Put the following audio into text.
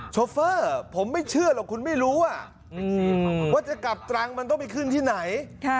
โชเฟอร์ผมไม่เชื่อหรอกคุณไม่รู้ว่าจะกลับตรังมันต้องไปขึ้นที่ไหน